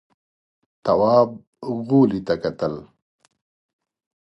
تواب غولي ته کتل….